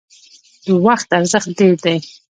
د وخت ارزښت ډیر دی